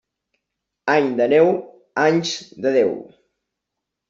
Any de neu, anys de Déu.